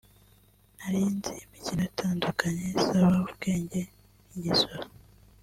nari inzi imikino itandukanye isaba ubwenge nk’igisoro